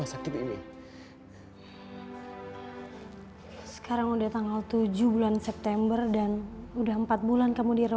aku harus ketemu sama dia